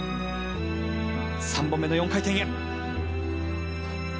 ３本目の４回転へ。